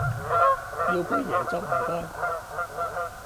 要杯椰汁唔該